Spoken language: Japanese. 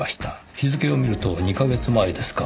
日付を見ると２カ月前ですか。